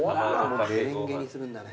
メレンゲにするんだね。